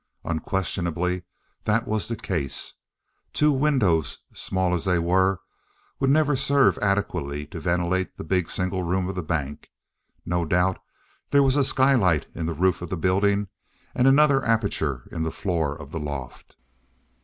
Unquestionably that was the case. Two windows, small as they were, would never serve adequately to ventilate the big single room of the bank. No doubt there was a skylight in the roof of the building and another aperture in the floor of the loft.